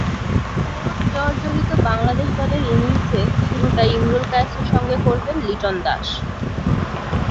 চোট জর্জরিত বাংলাদেশ দলের ইনিংসে শুরুটা ইমরুল কায়েসের সঙ্গে করবেন লিটন দাস।